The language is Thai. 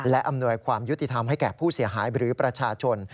และอำนวยความยุติธรรมให้แก่ผู้เสียหายหรือประชาชน